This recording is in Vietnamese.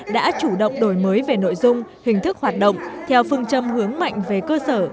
đã chủ động đổi mới về nội dung hình thức hoạt động theo phương châm hướng mạnh về cơ sở